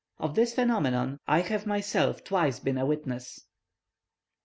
Of this phenomenon I have myself twice been a witness."